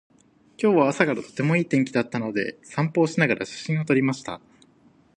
今日は朝からとてもいい天気だったので、散歩をしながら写真を撮りました。